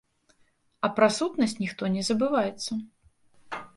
А пра сутнасць ніхто не забываецца.